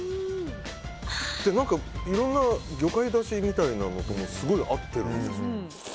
何かいろんな魚介だしみたいなのとすごい合ってるんですよ。